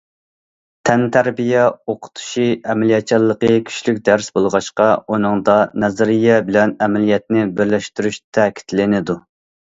تەنتەربىيە ئوقۇتۇشى ئەمەلىيەتچانلىقى كۈچلۈك دەرس بولغاچقا، ئۇنىڭدا نەزەرىيە بىلەن ئەمەلىيەتنى بىرلەشتۈرۈش تەكىتلىنىدۇ.